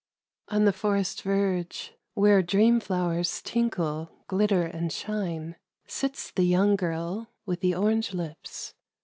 On the fi ■ where dream flowers tmkle, glitter and shine — sits the young girl with the orange lips.